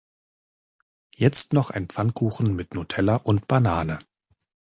Jetzt noch ein Pfannkuchen mit Nutella und Banane.